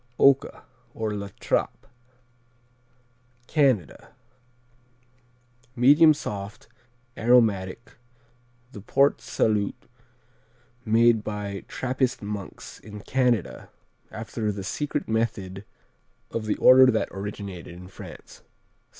Oka, or La Trappe Canada Medium soft; aromatic; the Port Salut made by Trappist monks in Canada after the secret method of the order that originated in France.